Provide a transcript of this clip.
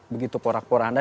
begitu porak porak anda